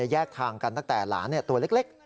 แยกทางกันตั้งแต่หลานตัวเล็ก